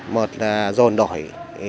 một là dồn đổi